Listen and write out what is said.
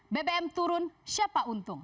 bbm turun siapa untung